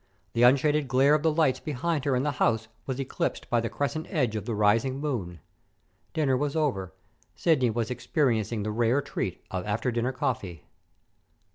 The unshaded glare of the lights behind her in the house was eclipsed by the crescent edge of the rising moon. Dinner was over. Sidney was experiencing the rare treat of after dinner coffee.